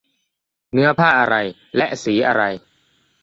เนื้อผ้าอะไร และสีอะไร